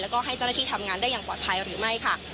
แล้วก็ให้เจ้าหน้าที่ทำงานได้อย่างปลอดภัยหรือไม่ค่ะ